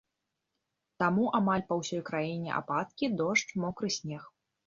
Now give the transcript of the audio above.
Таму амаль па ўсёй краіне ападкі, дождж, мокры снег.